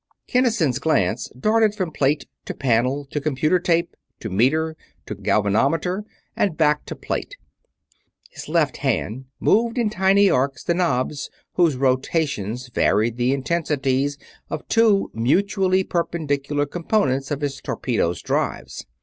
Kinnison's glance darted from plate to panel to computer tape to meter to galvanometer and back to plate; his left hand moved in tiny arcs the knobs whose rotation varied the intensities of two mutually perpendicular components of his torpedoes' drives.